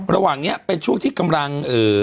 ระหว่างนี้เป็นช่วงที่กำลังเอ่อ